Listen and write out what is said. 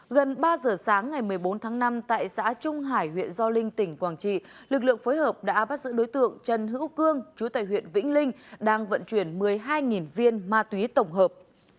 gần ba giờ sáng ngày một mươi bốn tháng năm tại xã trung hải huyện do linh tỉnh quảng trị lực lượng phối hợp đã bắt giữ đối tượng trần hữu cương chú tài huyện vĩnh linh đang vận chuyển một mươi hai viên ma túy tổng hợp